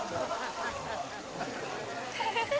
フフフ。